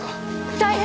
大変！